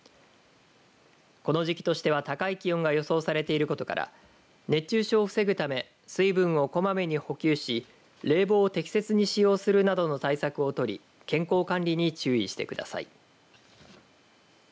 この時期としては高い気温が予想されていることから熱中症を防ぐため水分をこまめに補給し冷房を適切に使用するなどの対策を取り健康管理に注意してください。